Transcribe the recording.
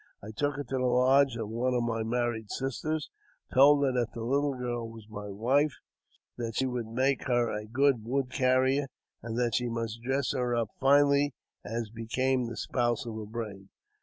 I took her to the lodge of one of my married sisters, told her that the little girl was my wife, and that she would make her a good wood carrier, and that she must dress her up finely as became the spouse of a brave.